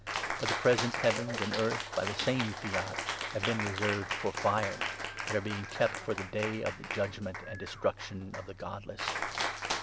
But the 7 present heavens and earth, by the same fiat, have been reserved for fire, and are being kept for the day of the judgement and destruction of the godless.